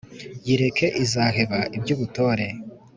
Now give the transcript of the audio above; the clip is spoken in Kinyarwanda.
yireke izaheba iby'ubutore